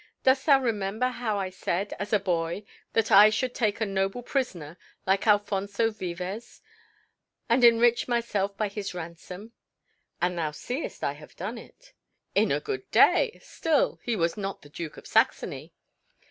Dost thou remember how I said, as a boy, that I should take a noble prisoner, like Alphonso Vives, and enrich myself by his ransom? And thou seest I have done it." "In a good day! Still, he was not the Duke of Saxony."